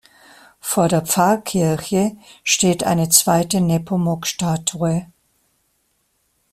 Vor der Pfarrkirche steht eine zweite Nepomuk-Statue.